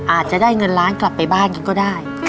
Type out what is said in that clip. อาจจะได้เงินล้านกลับไปบ้านกันก็ได้